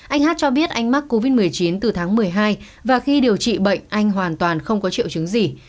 anh hát cho biết anh mắc covid một mươi chín từ tháng một mươi hai và khi điều trị bệnh anh hoàn toàn không có triệu chứng gì